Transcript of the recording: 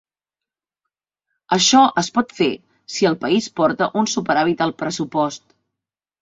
Això es pot fer si el país porta un superàvit al pressupost.